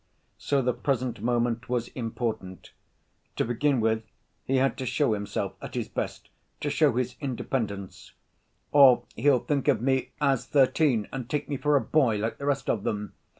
So the present moment was important: to begin with, he had to show himself at his best, to show his independence, "Or he'll think of me as thirteen and take me for a boy, like the rest of them.